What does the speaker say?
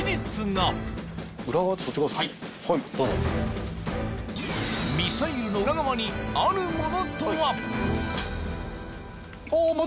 そのミサイルの裏側にあるものとは？